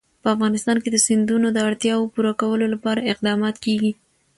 په افغانستان کې د سیندونه د اړتیاوو پوره کولو لپاره اقدامات کېږي.